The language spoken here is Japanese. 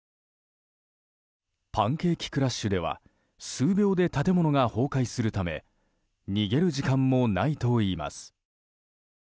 パンケーキクラッシュでは数秒で建物が崩壊するため逃げる時間もないといいます。